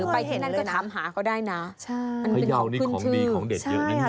ไม่เคยเห็นเลยนะใช่พระยาวนี่ของดีของเด็ดเยอะนิดหนึ่งใช่